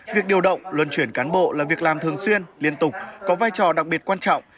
việc điều động luân chuyển cán bộ là việc làm thường xuyên liên tục có vai trò đặc biệt quan trọng